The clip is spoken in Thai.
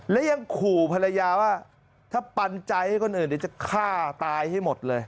และยังขู่ภรรยาว่าถ้าปันใจให้คนอื่นเดี๋ยวจะฆ่าตายให้หมดเลย